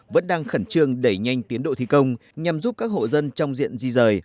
vẫn đang khẩn trương đẩy nhanh tiến độ thi công nhằm giúp các hộ dân trong diện di rời